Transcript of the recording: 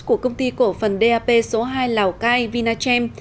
của công ty cổ phần dap số hai lào cai vinachem